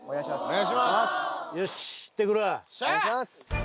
お願いします